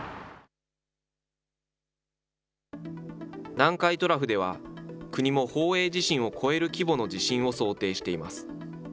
南海トラフでは、国も宝永地震を超える規模の地震を想定しています。